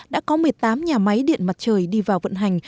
đã có một mươi tám nhà máy điện mặt trời đi vào vận hành